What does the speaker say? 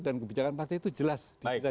dan kebijakan partai itu jelas bisa